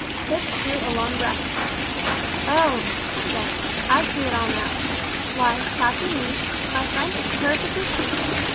Tipps drew a long breath. "Oh," said he, "I see it all now. Why, Captain Lee, my friend is perfectly innocent.